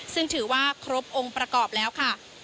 ซึ่งถือว่าครบองค์ประกอบแล้วค่ะ